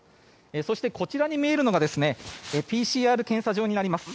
そして、こちらに見えるのがＰＣＲ検査場になります。